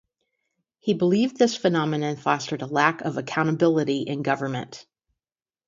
He believed this phenomenon fostered a lack of accountability in government.